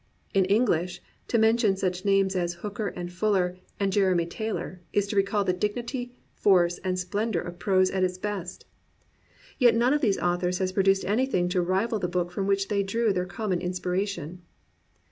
In English, to mention such names as Hooker and Fuller and Jeremy Taylor is to recall the dignity, force, and splendour of prose at its best. 14 THE BOOK OF BOOKS Yet none of these authors has produced anything to rival the book from which they drew their com mon inspiration.